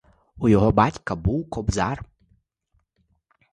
У його батька був кобзар.